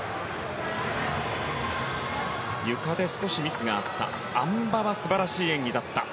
ゆかで少しミスがあったあん馬は素晴らしい演技だった。